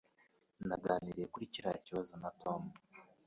Naganiriye kuri kiriya kibazo na Tom.